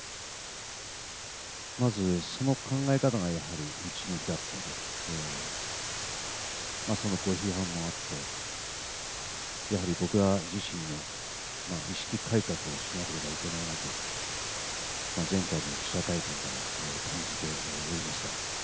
まずその考え方がやはり内向きだったと、そのご批判もあって、やはり僕ら自身の意識改革をしなければいけないなと、前回の記者会見から感じておりました。